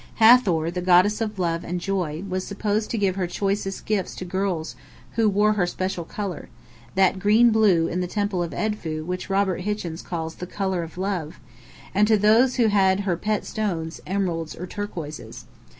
Hathor, the goddess of Love and Joy, was supposed to give her choicest gifts to girls who wore her special colour (that green blue in the Temple of Edfu which Robert Hichens calls "the colour of love") and to those who had her pet stones, emeralds, or turquoises.